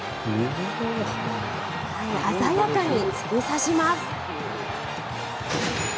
鮮やかに突き刺します。